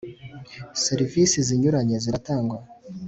serivisi zinyuranye ziratangwa.